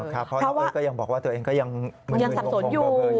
แท้เธอยังบอกว่าตัวเองก็ยังสรรสนอยู่